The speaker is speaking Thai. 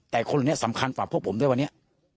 แต่คนเหล่านี้สำคัญฝากพวกผมด้วยวันนี้